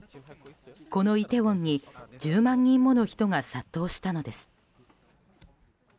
このイテウォンに１０万人もの人が殺到したのです。